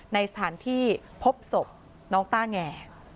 ในสถานที่พบศพน้องต้าแง